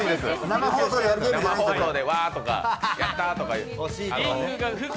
生放送でわーとか、やったーとか。